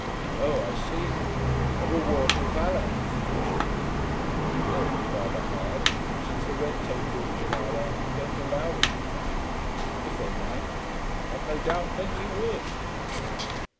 'Oh, I see. A reward for valour, you think it should be. That would be rather hard, since the red tape rules of our army don't allow them to fight. If they might, I've no doubt plenty would.'